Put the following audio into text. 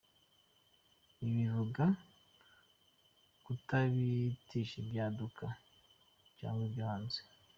Ibi bivuga kutabirutisha ibyaduka cyangwa ibyo hanze.